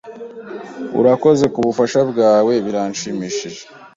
"Urakoze kubufasha bwawe." "Biranshimishije."